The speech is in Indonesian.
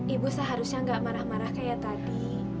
ibu seharusnya nggak marah marah kayak tadi